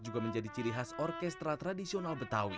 juga menjadi ciri khas orkestra tradisional betawi